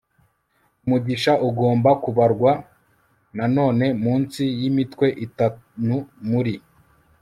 umugisha ugomba kubarwa nanone munsi yimitwe itanu muri